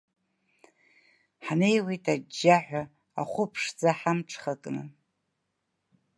Ҳнеиуеит аџьџьаҳәа ахәыԥшӡа ҳамҽхакны.